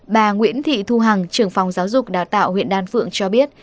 bà nguyễn thị thu hằng trưởng phòng giáo dục đào tạo huyện đan phượng cho biết